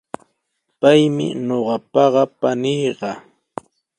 Paymi ñuqaqapa paniiqa.